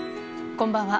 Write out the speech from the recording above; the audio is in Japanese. こんばんは。